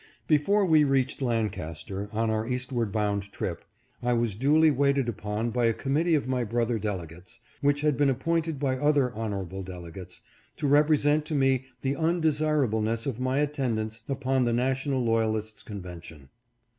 Before we reached Lancaster, on our eastward bound trip, I was duly waited upon by a URGED TO STAY OUT OF THE CONVENTION. 473 committee of my brother delegates, which had been ap pointed by other honorable delegates, to represent to me the undesirableness of my attendance upon the National Loyalist's Convention.